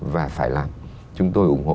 và phải làm chúng tôi ủng hộ